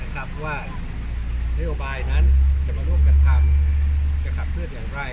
ว่านโยบายนั้นจะมาร่วมกันทำจะขับเคลื่อนอย่างไร